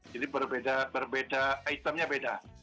jadi berbeda itemnya beda